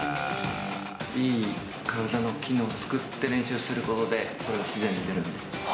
いい体の機能を作って練習することで、それが自然に出る。